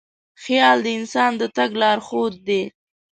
خیال د انسان د تګ لارښود دی.